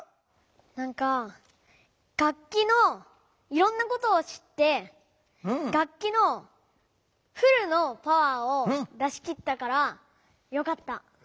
なんか楽器のいろんなことを知って楽器のフルのパワーを出しきったからよかった。